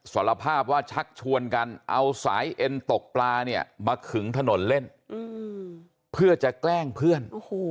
สารภาพว่าชักชวนกันเอาสายเอ็นตกปลาเนี่ยมาขึงถนนเล่นเพื่อจะแกล้งเพื่อน